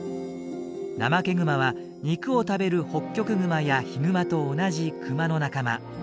ナマケグマは肉を食べるホッキョクグマやヒグマと同じクマの仲間。